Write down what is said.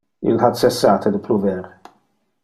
Illo ha cessate de pluver.